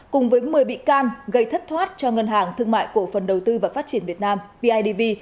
cùng với một mươi bị can gây thất thoát cho ngân hàng thương mại cổ phần đầu tư và phát triển việt nam bidv